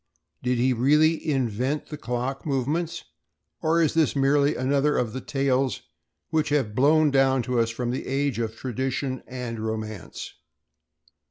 Did he really invent the clock movements, or is this merely another of the tales which have blown down to us from this age of tradition and romance?